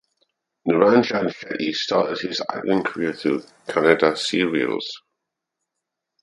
Niranjan Shetty started his acting career through Kannada Serials.